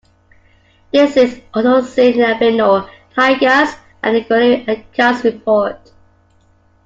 This is also seen in albino tigers, as Guillery and Kaas report.